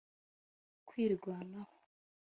kwirwanaho